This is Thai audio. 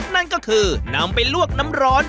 นั่นก็คือนำไปลวกน้ำร้อน